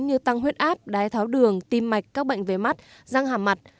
như tăng huyết áp đái tháo đường tim mạch các bệnh về mắt răng hàm mặt